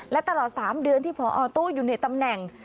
และตลอด๓เดือนที่พอตู้อยู่ในตำแหน่ง